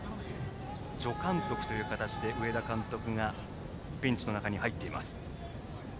助監督という形で上田監督がベンチの中に入っています。